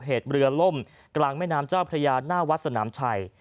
เหตุเรือล่มกลางแม่น้ำเจ้าพระยาหน้าวัดสนามชัย